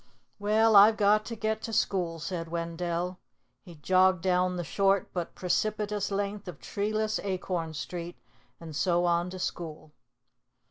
"Well, I've got to get to school," said Wendell. He jogged down the short but precipitous length of treeless Acorn Street, and so on to school.